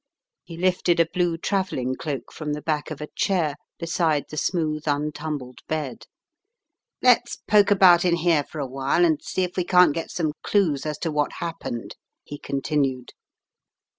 He lifted a blue travelling cloak from the back of a chair, beside the smooth, untumbled bed. "Let's poke about in here for a while and see if we can't get some clues as to what happened," he continued.